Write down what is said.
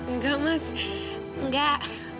nggak mas nggak